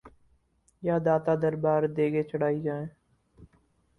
یا داتا دربار دیگیں چڑھائی جائیں؟